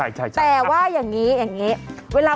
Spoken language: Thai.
อยู่นี่หุ่นใดมาเพียบเลย